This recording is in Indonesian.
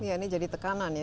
ya ini jadi tekanan ya